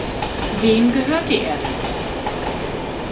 Wem gehört die Erde?